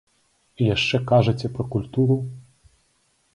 І яшчэ кажаце пра культуру?!